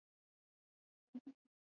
Rwanda yajibu Kongo